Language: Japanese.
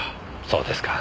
そうですか。